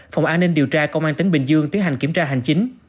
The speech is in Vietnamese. phòng an ninh điều tra công an tp thủ dầu một tiến hành kiểm tra hành chính